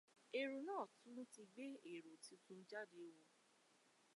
Ẹ̀rọ náà tún ti gbé ètò tuntun jáde ó!